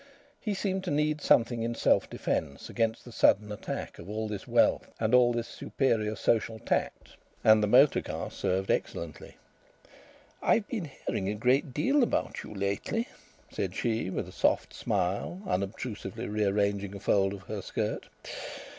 He seemed to need something in self defence against the sudden attack of all this wealth and all this superior social tact, and the motor car served excellently. "I've been hearing a great deal about you lately," said she with a soft smile, unobtrusively rearranging a fold of her skirt.